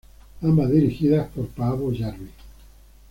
Ambas dirigidas por Paavo Järvi.